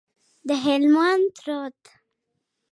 د هلمند رود،